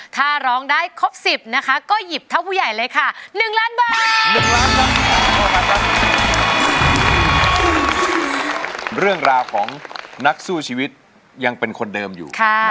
ถ้าร้องได้ครบ๑๐นะคะก็หยิบทั้งผู้ใหญ่เลยค่ะ